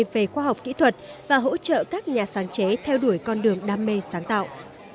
về khoa học kỹ thuật và hỗ trợ các nhà sáng chế theo đuổi con đường đam mê sáng tạo